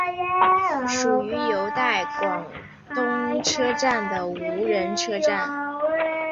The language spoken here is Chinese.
属于由带广车站管理的无人车站。